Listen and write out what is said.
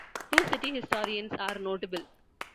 Two city historians are notable.